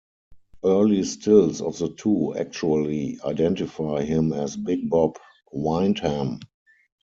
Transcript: Early stills of the two actually identify him as Big Bob Windham.